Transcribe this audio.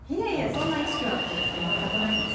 そんな意識は全くないんですよ。